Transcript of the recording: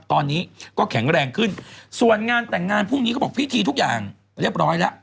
ตอนนี้ก็แข็งแรงขึ้นส่วนงานแต่งงานพรุ่งนี้เขาบอกพิธีทุกอย่างเรียบร้อยแล้ว